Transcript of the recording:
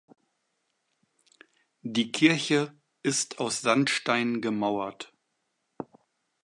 Die Kirche ist aus Sandstein gemauert.